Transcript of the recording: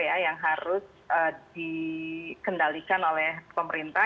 yang harus dikendalikan oleh pemerintah